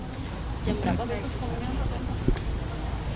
jam berapa besok penggunaan